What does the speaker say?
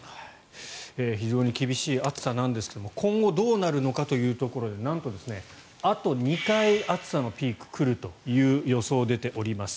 非常に厳しい暑さなんですが今後どうなるのかというところでなんと、あと２回暑さのピークが来るという予想が出ています。